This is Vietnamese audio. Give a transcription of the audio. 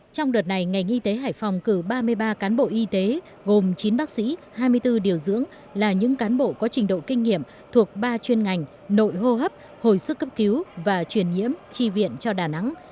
trong đợt này ngành y tế hải phòng cử ba mươi ba cán bộ y tế gồm chín bác sĩ hai mươi bốn điều dưỡng là những cán bộ có trình độ kinh nghiệm thuộc ba chuyên ngành nội hô hấp hồi sức cấp cứu và truyền nhiễm tri viện cho đà nẵng